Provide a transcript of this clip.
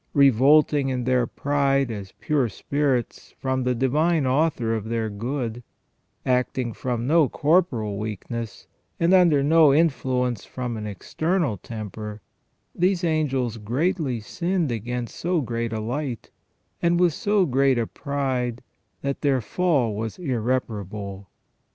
Revolting in their pride as pure spirits from the Divine Author of their good ; acting from no corporal weakness, and under no influence from an external tempter, these angels greatly sinned against so great a light, and with so great a pride, that their fall was irreparable.